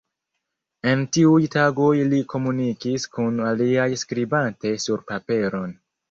En tiuj tagoj li komunikis kun aliaj skribante sur paperon.